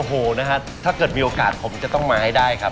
โอ้โหนะฮะถ้าเกิดมีโอกาสผมจะต้องมาให้ได้ครับ